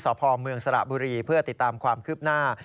สพเมืองสระบุรีเพื่อติดตามความคืบหน้า